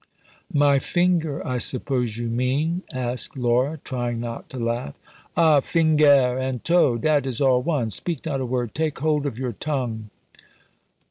"My finger, I suppose you mean?" asked Laura, trying not to laugh. "Ah! fingare and toe! dat is all one! Speak not a word! take hold of your tongue."